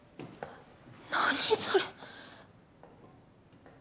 何それ。